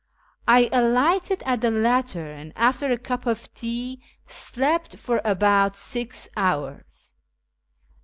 I alighted at the latter, and, after a cup of tea, slept for about six hours.